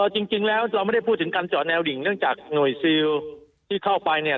จริงแล้วเราไม่ได้พูดถึงการเจาะแนวดิ่งเนื่องจากหน่วยซิลที่เข้าไปเนี่ย